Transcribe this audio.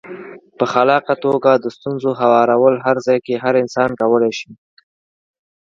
په خلاقه توګه د ستونزو هوارول هر ځای کې هر انسان کولای شي.